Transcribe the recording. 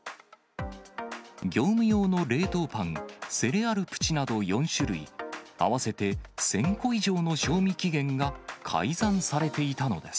業務用の冷凍パンセレアルプチなど４種類、合わせて１０００個以上の賞味期限が改ざんされていたのです。